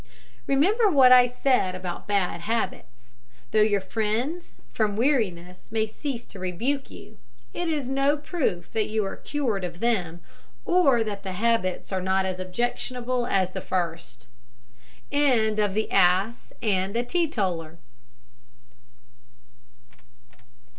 Remember what I said before about bad habits. Though your friends from weariness may cease to rebuke you, it is no proof that you are cured of them, or that the habits are not as objectionable as at the first.